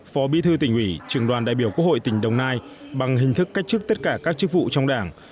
phó bí thư tỉnh ủy trường đoàn đại biểu quốc hội tỉnh đồng nai bằng hình thức cách chức tất cả các chức vụ trong đảng